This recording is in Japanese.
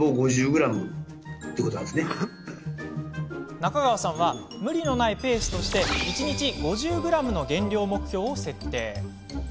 中川さんは無理のないペースとして１日５０ｇの減量目標を設定。